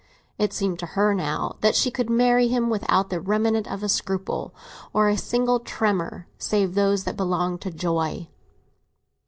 It seemed to her now that she could marry him without the remnant of a scruple or a single tremor save those that belonged to joy.